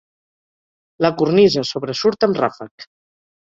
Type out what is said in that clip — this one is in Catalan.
La cornisa sobresurt amb ràfec.